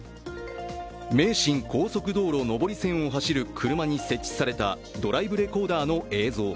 名神高速道路上り線を走る車に設置されたドライブレコーダーの映像。